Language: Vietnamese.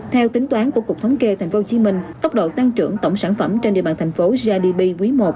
theo tính toán của cục thống kê tp hcm tốc độ tăng trưởng tổng sản phẩm trên địa bàn thành phố grdp quý i